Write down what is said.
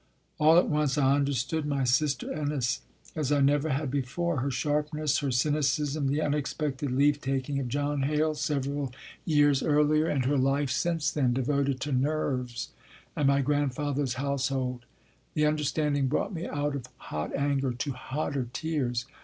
All at once I understood my sister Ennis as I never had before her sharpness, her cynicism, the unexpected leavetaking of John Hale several years 8 Happy Valley earlier, and her life since then devoted to "nerves" and my grandfather s household. The under standing brought me out of hot anger to hotter tears.